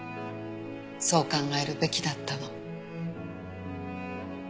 そう考えるべきだったの。